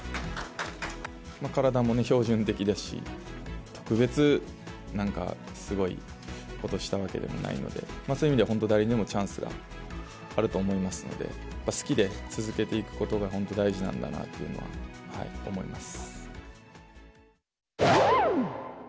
体も標準的ですし、特別なんか、すごいことしたわけでもないので、そういう意味では、本当に誰にでもチャンスがあると思いますので、好きで続けていくことが本当大事なんだなというのは思います。